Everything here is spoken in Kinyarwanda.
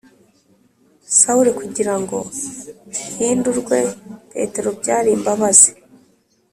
Sawuri kugira ngo gihindurwe petero byari imbabazi